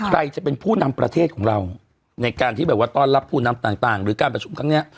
ใครจะเป็นผู้นำประเทศของเราในการที่แบบว่าต้อนรับผู้นำต่างหรือการประชุมครั้งนี้